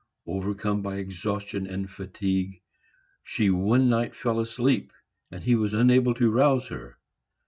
Overcome by exhaustion and fatigue, she one night fell asleep, and he was unable to rouse her.